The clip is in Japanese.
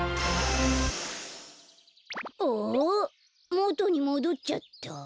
もとにもどっちゃった！